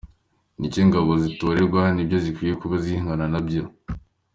Nicyo ingabo zacu zitorezwa, nibyo zikwiye kuba zihangana nabyo”.